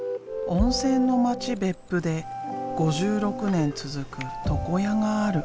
温泉の町別府で５６年続く床屋がある。